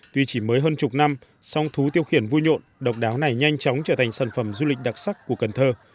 tuy chỉ mới hơn chục năm song thú tiêu khiển vui nhộn độc đáo này nhanh chóng trở thành sản phẩm du lịch đặc sắc của cần thơ